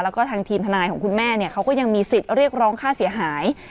แล้วก็ทางทีมทนายของคุณแม่เขาก็ยังมีสิทธิ์เรียกร้องค่าเสียหาย